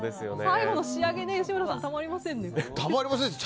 最後の仕上げ、吉村さんたまりませんね！